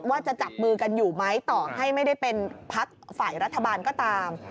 ว่าจะจับมือกันอยู่ไหมต่อให้ไม่ได้เป็นพักฝ่ายรัฐบาลก็ตาม